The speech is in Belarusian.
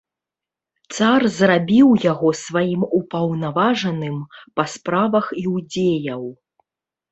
Цар зрабіў яго сваім упаўнаважаным па справах іудзеяў.